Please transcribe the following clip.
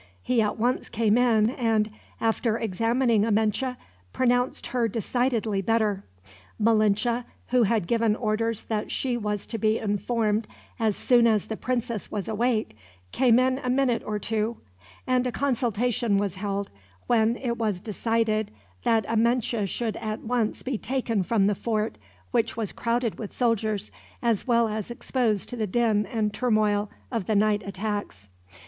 He at once came in and, after examining Amenche, pronounced her decidedly better. Malinche, who had given orders that she was to be informed as soon as the princess was awake, came in a minute or two; and a consultation was held, when it was decided that Amenche should at once be taken from the fort, which was crowded with soldiers, as well as exposed to the din and turmoil of the night attacks.